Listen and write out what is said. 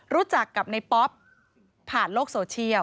รู้จักกับในป๊อปผ่านโลกโซเชียล